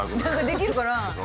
できるかな？